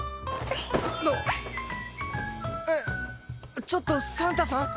えっちょっとサンタさん？